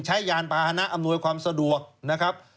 ใช้ยานประหณะอำนวยความสะดวกนะครับ